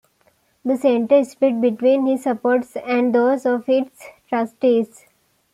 The Center split between his supporters and those of its trustees.